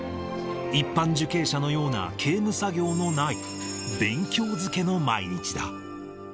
一般受刑者のような刑務作業のない、勉強漬けの毎日だ。